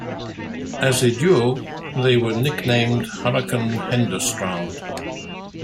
As a duo, they were nicknamed "Hurricane Henderstroud".